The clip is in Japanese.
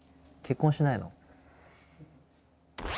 結婚しないの？